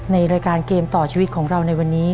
ในรายการเกมต่อชีวิตของเราในวันนี้